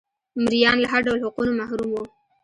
مریان له هر ډول حقونو محروم وو.